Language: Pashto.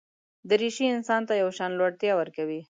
دریشي انسان ته یو شان لوړتیا ورکوي.